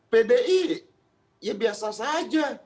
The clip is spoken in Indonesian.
pdi ya biasa saja